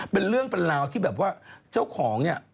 เป็นเรื่องเป็นราวที่แบบว่าเจ้าของเนี่ย